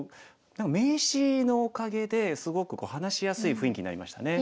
名刺のおかげですごく話しやすい雰囲気になりましたね。